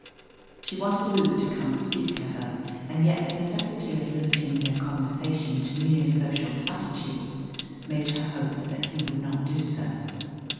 She wanted Luke to come and speak to her, and yet the necessity of limiting their conversation to mere social platitudes made her hope that he would not do so.